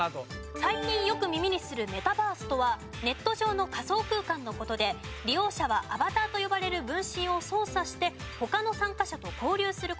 最近よく耳にするメタバースとはネット上の仮想空間の事で利用者はアバターと呼ばれる分身を操作して他の参加者と交流する事ができます。